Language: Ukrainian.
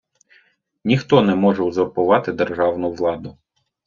Ніхто не може узурпувати державну владу.